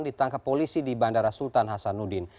ditangkap polisi di bandara sultan hasanuddin